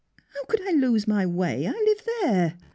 How could I lose my way! I live there."